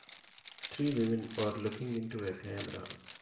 Three women are looking into a camera.